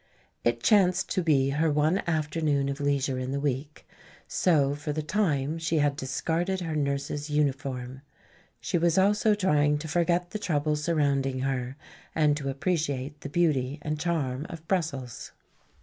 It chanced to be her one afternoon of leisure in the week, so for the time she had discarded her nurse's uniform. She was also trying to forget the trouble surrounding her and to appreciate the beauty and charm of Brussels.